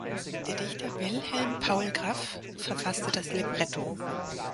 Der Dichter Wilhelm Paul Graff verfasste das Libretto.